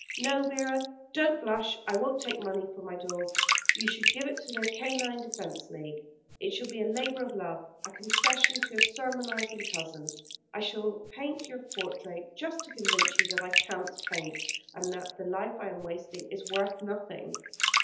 No, Vera, don't blush! I won't take money for my daub. You shall give it to the Canine Defence League. It shall be a labour of love; a concession to a sermonising cousin. I shall paint your portrait, just to convince you that I can't paint, and that the life I am wasting is worth nothing."